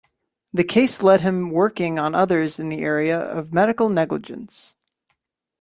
The case lead to him working on others in the area of medical negligence.